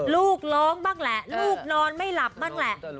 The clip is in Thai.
ลูกร้องบ้างแหละลูกนอนไม่หลับบ้างแหละ